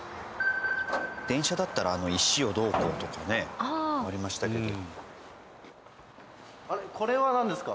電車だったら石をどうこうとかねありましたけど。